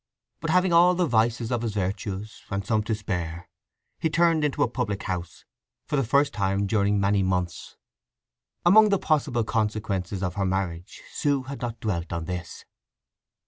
But having all the vices of his virtues, and some to spare, he turned into a public house, for the first time during many months. Among the possible consequences of her marriage Sue had not dwelt on this.